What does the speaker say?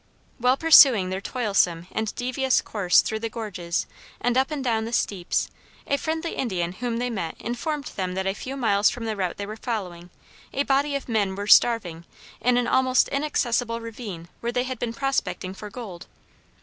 While pursuing their toilsome and devious course through the gorges and up and down the steeps, a friendly Indian whom they met informed them that a few miles from the route they were following, a body of men were starving in an almost inaccessible ravine where they had been prospecting for gold.